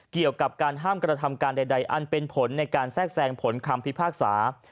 เกี่ยวกับการห้ามกระทำการใดอันเป็นผลในการแทรกแทรงผลคำพิพากษา